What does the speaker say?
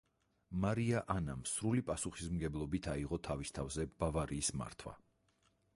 მარია ანამ სრული პასუხისმგებლობით აიღო თავის თავზე ბავარიის მართვა.